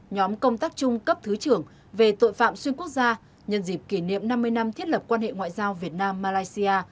nhóm công tác chung cấp thứ trưởng về tội phạm xuyên quốc gia nhân dịp kỷ niệm năm mươi năm thiết lập quan hệ ngoại giao việt nam malaysia